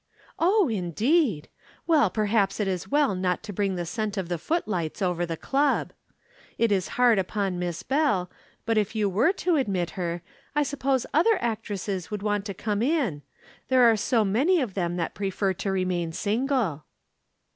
"Oh, indeed! Well, perhaps it is as well not to bring the scent of the footlights over the Club. It is hard upon Miss Bell, but if you were to admit her, I suppose other actresses would want to come in. There are so many of them that prefer to remain single."